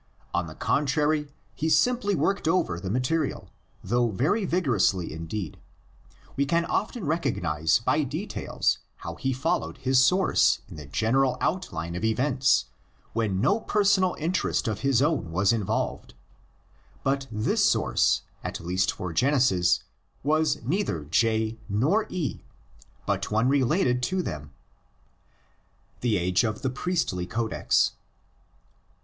On the contrary, he simply worked over the 154 THE LEGENDS OF GENESIS. material, though very vigorously indeed; we can often recognise by details how he followed his source in the general outline of events when no per sonal interest of his own was involved (see p. 139 of the Commentary). But this source, at least for Genesis, was neither J nor E but one related to them. THE AGE OF THE PRIESTLY CODEX.